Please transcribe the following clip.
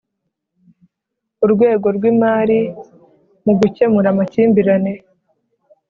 Urwego rw imari mu gukemura amakimbirane